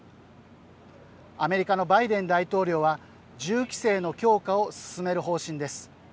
アメリカのバイデン大統領は銃規制の強化を進める方針です。